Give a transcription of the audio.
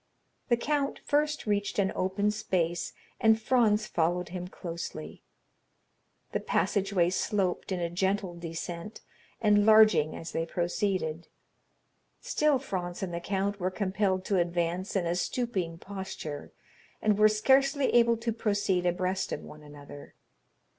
The count first reached an open space and Franz followed him closely. The passageway sloped in a gentle descent, enlarging as they proceeded; still Franz and the count were compelled to advance in a stooping posture, and were scarcely able to proceed abreast of one another.